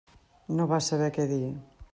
No va saber què dir.